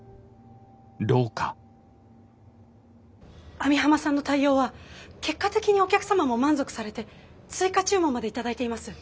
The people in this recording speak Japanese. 網浜さんの対応は結果的にお客様も満足されて追加注文まで頂いています。